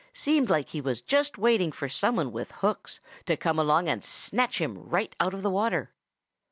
Seemed like he was just waiting for some one with hooks to come along and snatch him right out of the water.'